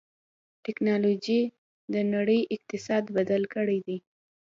ټکنالوجي د نړۍ اقتصاد بدل کړی دی.